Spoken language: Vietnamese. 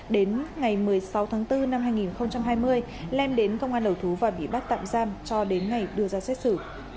đến ngày một mươi sáu tháng bốn năm hai nghìn hai mươi lem đến công an đầu thú và bị bắt tạm giam cho đến ngày đưa ra xét xử